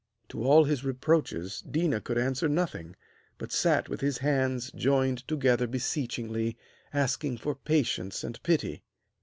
To all his reproaches Déna could answer nothing, but sat with his hands joined together beseechingly, asking for patience and pity.